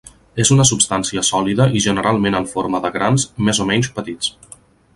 És una substància sòlida i generalment en forma de grans més o menys petits.